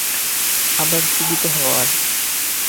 আবার জীবিত হওয়ার।